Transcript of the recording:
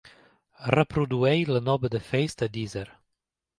reprodueix la nova de Feist a deezer